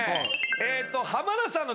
えっと。